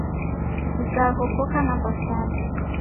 Mzaw'o koka na w'asaw'i